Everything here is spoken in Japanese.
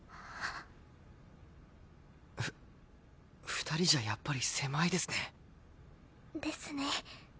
２人じゃやっぱり狭いですね。ですね。